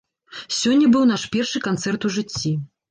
Сёння быў наш першы канцэрт ў жыцці.